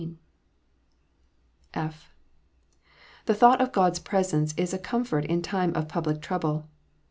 (/) The thought of God s presence is a comfort in time of public trouble.